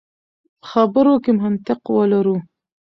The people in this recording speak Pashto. په خبرو کې منطق ولرو.